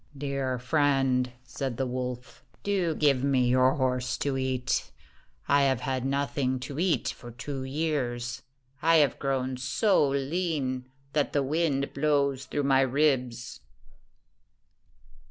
"Dear friend," said the wolf, "do give me your horse to eat. I have had nothing to eat for two years. I have grown so lean that the wind blows through my ribs."